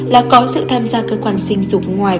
là có sự tham gia cơ quan sinh dục ngoài